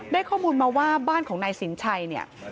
ข้อมูลมาว่าบ้านของนายสินชัยเนี่ย